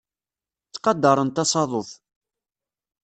Ttqadarent asaḍuf.